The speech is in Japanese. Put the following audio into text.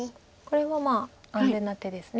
これは安全な手です。